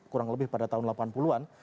kurang lebih pada tahun delapan puluh an